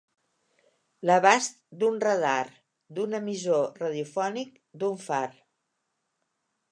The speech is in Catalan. L'abast d'un radar, d'un emissor radiofònic, d'un far.